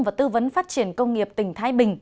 và tư vấn phát triển công nghiệp tỉnh thái bình